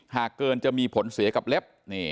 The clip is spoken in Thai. หากเกินจะมีผลเสียกับเล็บ